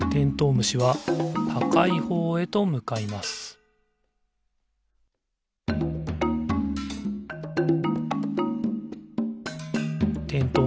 むしはたかいほうへとむかいますてんとう